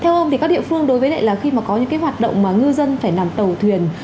theo ông thì các địa phương đối với lại là khi mà có những hoạt động mà ngư dân phải làm tàu thuyền